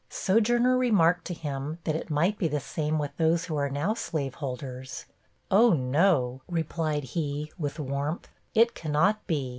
Sojourner remarked to him, that it might be the same with those who are now slaveholders. 'O, no,' replied he, with warmth, 'it cannot be.